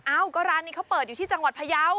เอ้าก็ร้านนี้เขาเปิดอยู่ที่จังหวัดพยาว